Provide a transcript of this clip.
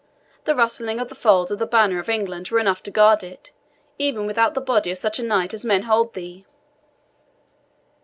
The rustling of the folds of the Banner of England were enough to guard it, even without the body of such a knight as men hold thee."